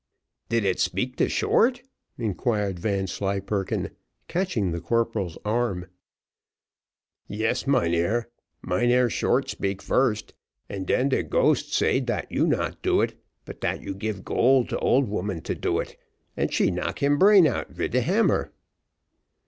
"Did it speak to Short?" inquired Vanslyperken, catching the corporal's arm. "Yes, mynheer; Mynheer Short speak first, and den the ghost say dat you not do it, but dat you give gold to old woman to do it, and she knock him brain out vid de hammer."